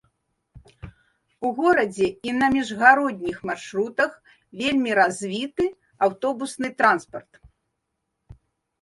У горадзе і на міжгародніх маршрутах вельмі развіты аўтобусны транспарт.